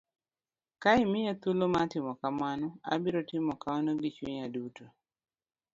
Ka imiya thuolo mar timo kamano, abiro timo kamano gi chunya duto.